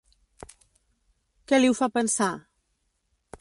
Què li ho fa pensar?